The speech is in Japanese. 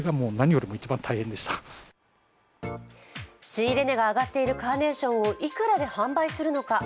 仕入れ値が上がっているカーネーションをいくらで販売するのか。